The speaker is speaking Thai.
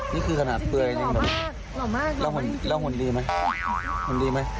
นี่คือขณะผลอย่างไรเหรอหลอดมากแล้วหัวดีไหมหัวดีไหม